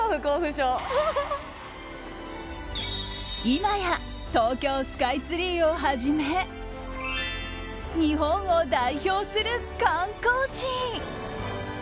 今や東京スカイツリーをはじめ日本を代表する観光地。